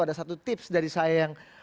ada satu tips dari saya yang